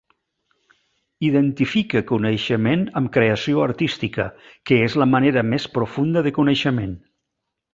Identifique coneixement amb creació artística, que és la manera més profunda de coneixement